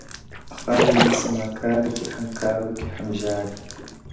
خواري دي سي مکاري، چي هم کار وکي هم ژاړي.